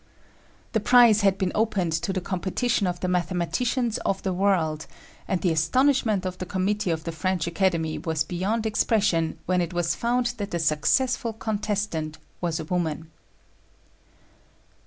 The prize had been opened to the competition of the mathematicians of the world, and the astonishment of the committee of the French Academy was beyond expression when it was found that the successful contestant was a woman.